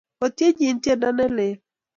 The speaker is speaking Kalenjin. Otyenji tyendo ne leel.